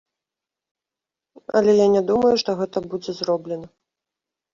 Але я не думаю, што гэта будзе зроблена.